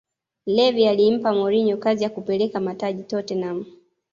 levvy alimpa mourinho kazi ya kupeleka mataji tottenham